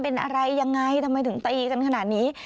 เป็นอะไรยังไงทำไมถึงตีกันขนาดนี้